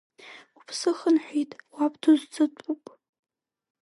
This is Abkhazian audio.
Уԥсы хынҳәит, уаб дузӡатәуп.